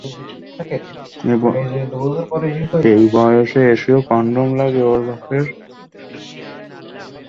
এই বয়সে এসেও কনডম লাগে ওর বাপের।